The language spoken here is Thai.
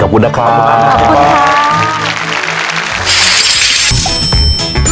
ขอบคุณนะครับขอบคุณค่ะขอบคุณค่ะ